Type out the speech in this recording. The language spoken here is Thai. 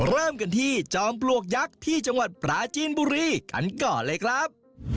เริ่มกันที่จอมปลวกยักษ์ที่จังหวัดปราจีนบุรีกันก่อนเลยครับ